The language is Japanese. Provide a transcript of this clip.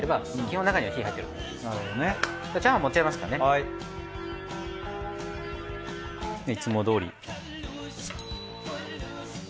いつもどおり。